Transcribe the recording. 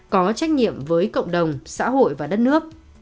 có trách nhiệm với cộng đồng xã hội và đất nước